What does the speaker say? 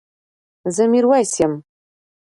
زه ميرويس يم